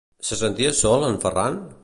Se sentia sol en Ferràn?